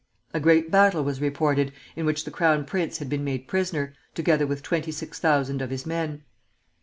A great battle was reported, in which the Crown Prince had been made prisoner, together with twenty six thousand of his men.